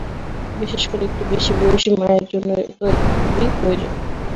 বিশেষ করে একটু বেশি বয়সী মায়ের জন্য তো এটি খুবই প্রয়োজন।